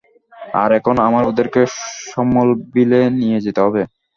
আর এখন আমার ওদেরকে স্মলভিলে নিয়ে যেতে হবে।